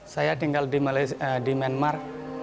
saya tinggal di myanmar